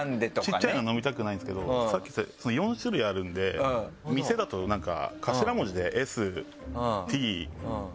小っちゃいの飲みたくないんですけどさっき言った４種類あるんで店だとなんか。